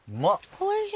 おいしい。